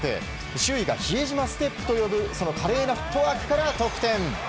周囲が比江島ステップと呼ぶその華麗なフットワークから得点。